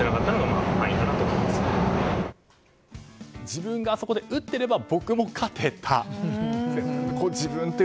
自分があそこで打っていれば僕も勝てたと。